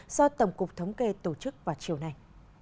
do tổng cục thống kê tổ chức vào chiều nay